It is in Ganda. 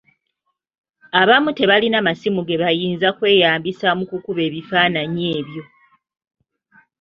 Abamu tebaalina masimu ge bayinza kweyambisa mu kukuba bifaananyi ebyo.